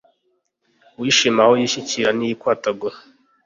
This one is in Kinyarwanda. uwishima aho yishyikira ntiyikwatagura